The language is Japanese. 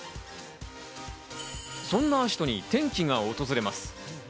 そんな葦人に転機が訪れます。